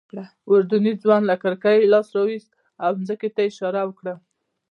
اردني ځوان له کړکۍ لاس راوویست او ځمکې ته یې اشاره وکړه.